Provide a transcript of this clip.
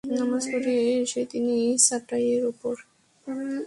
নামাজ পড়ে এসে তিনি চাটাইয়ের ওপর চাদর বিছিয়ে অবস্থান শুরু করেন।